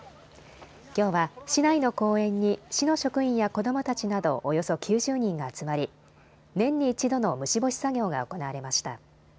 きょうは市内の公園に市の職員や子どもたちなど、およそ９０人が集まり年に一度の虫干し作業が行われました。